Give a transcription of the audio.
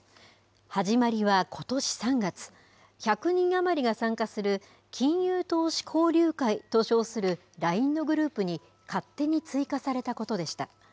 始まりはことし３月、１００人余りが参加する金融投資交流会と称するＬＩＮＥのグループに勝手に追加されたことでした。